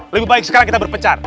lebih baik sekarang kita berpecat